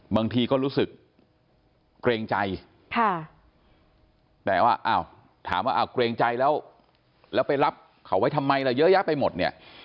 บางทีก็รู้สึกเกรงใจแต่ว่าอ้าวถามว่าเกรงใจแล้วแล้วไปรับเขาไว้ทำไมล่ะเยอะแยะไปหมดเนี่ย